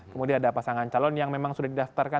kemudian ada pasangan calon yang memang sudah didaftarkan